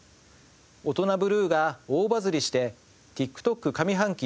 『オトナブルー』が大バズりしてＴｉｋＴｏｋ上半期